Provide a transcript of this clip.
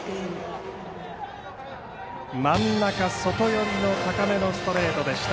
真ん中外寄りの高めのストレートでした。